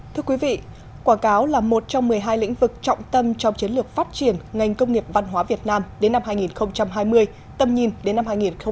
thưa quý vị quảng cáo là một trong một mươi hai lĩnh vực trọng tâm trong chiến lược phát triển ngành công nghiệp văn hóa việt nam đến năm hai nghìn hai mươi tầm nhìn đến năm hai nghìn ba mươi